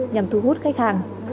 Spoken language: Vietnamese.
nhằm thu hút khách hàng